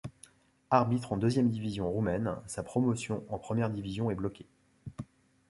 Arbitre en deuxième division roumaine, sa promotion en première division est bloqué.